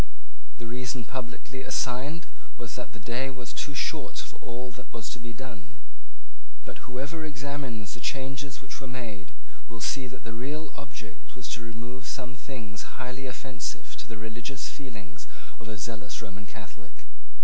The reason publicly assigned was that the day was too short for all that was to be done. But whoever examines the changes which were made will see that the real object was to remove some things highly offensive to the religious feelings of a zealous Roman Catholic.